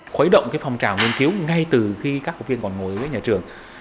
khuấy động phòng trào nghiên cứu ngay từ khi các học viên còn ngồi ở nhà trường